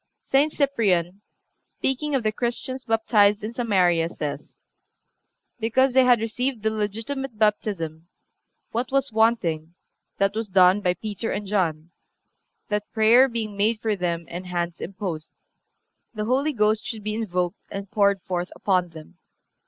(359) St. Cyprian, speaking of the Christians baptized in Samaria, says: "Because they had received the legitimate baptism, ... what was wanting, that was done by Peter and John, that prayer being made for them and hands imposed, the Holy Ghost should be invoked and poured forth upon them.